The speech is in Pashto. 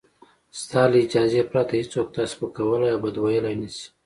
ستا له اجازې پرته هېڅوک تا سپکولای او بد ویلای نشي.